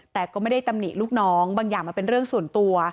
แต่ก็ไม่ได้ตำหนิลูกน้องบางอย่างมันเป็นเรื่องส่วนตัว